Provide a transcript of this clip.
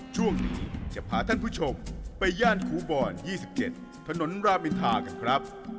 ช่วงนี้จะพาท่านผู้ชมไปย่านครูบอน๒๗ถนนรามอินทากันครับ